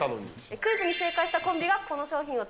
クイズに正解したコンビがこ